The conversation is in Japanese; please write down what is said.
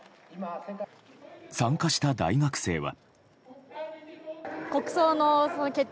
参加した大学生は。